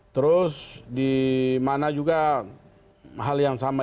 terus di mana juga hal yang sama